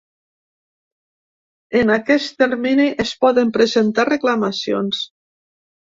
En aquest termini es poden presentar reclamacions.